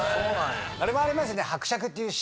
あれもありますよね。